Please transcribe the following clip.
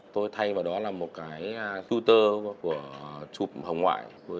tôi thay vào đó là một cái poter của chụp hồng ngoại